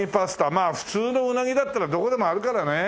まあ普通の鰻だったらどこでもあるからねえ。